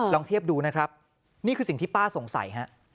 ลองเทียบดูนะครับนี่คือสิ่งที่ป้าสงสัยฮะ